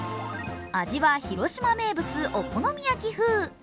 味は広島名物・お好み焼き風。